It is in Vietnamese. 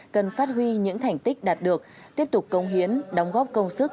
cần phát huy những thành tích đạt được tiếp tục công hiến đóng góp công sức